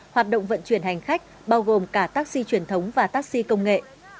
hoạt động vận chuyển hành khách bao gồm cả taxi truyền thống và taxi công nghệ